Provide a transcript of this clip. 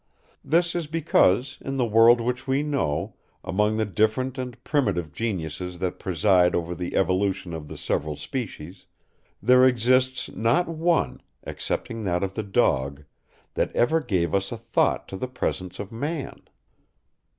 This is because, in the world which we know, among the different and primitive geniuses that preside over the evolution of the several species, there exists not one, excepting that of the dog, that ever gave a thought to the presence of man.